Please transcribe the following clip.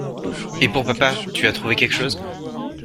Et pour Papa, tu as trouvé quelque chose?